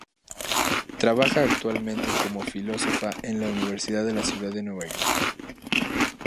Trabaja actualmente como Filósofa en la Universidad de la Ciudad de Nueva York.